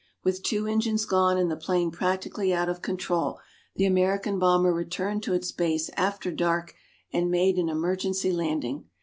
With two engines gone and the plane practically out of control, the American bomber returned to its base after dark and made an emergency landing.